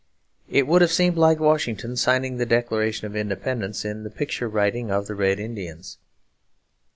It would have seemed like Washington signing the Declaration of Independence in the picture writing of the Red Indians.